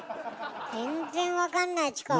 全然分かんないチコ。